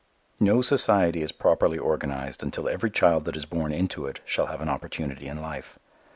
No society is properly organized until every child that is born into it shall have an opportunity in life.